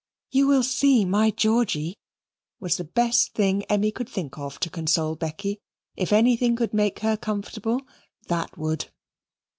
"You will see my Georgy," was the best thing Emmy could think of to console Becky. If anything could make her comfortable that would.